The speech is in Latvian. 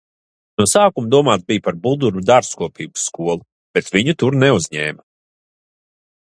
No sākuma domāts bija par Bulduru dārzkopības skolu, bet viņu tur neuzņēma.